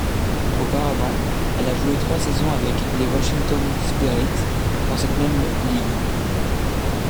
Auparavant, elle a joué trois saisons avec les Washington Spirit, dans cette même Ligue.